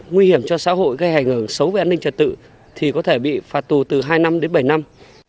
nguy hiểm cho xã hội gây ảnh hưởng xấu về an ninh trật tự thì có thể bị phạt tù từ hai năm đến bảy năm